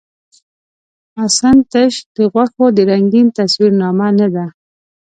حسن تش د غوښو د رنګین تصویر نامه نۀ ده.